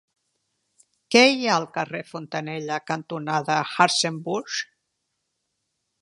Què hi ha al carrer Fontanella cantonada Hartzenbusch?